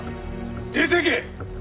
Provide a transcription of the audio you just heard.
出てけ！